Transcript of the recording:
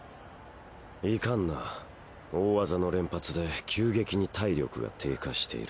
いかんな大技の連発で急激に体力が低下している。